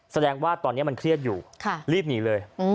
แสดงว่าตอนนี้มันเครียดอยู่รีบหนีเลย